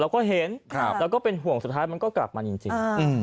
เราก็เห็นแล้วก็เป็นห่วงสุดท้ายมันก็กลับมาจริง